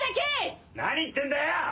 何言ってんだよ！